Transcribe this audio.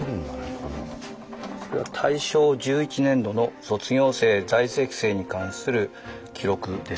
これは大正１１年度の卒業生在籍生に関する記録です。